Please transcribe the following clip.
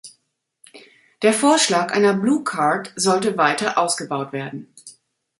Der Vorschlag einer Blue-Card sollte weiter ausgebaut werden.